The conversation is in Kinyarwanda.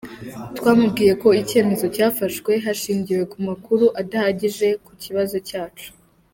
Twamubwiye ko icyemezo cyafashwe hashingiwe ku makuru adahagije ku kibazo cyacu.